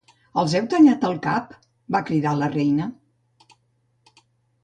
"Els heu tallat el cap?", va cridar la reina.